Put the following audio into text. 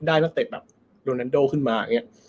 ได้นักเตะแบบโรนันโดขึ้นมา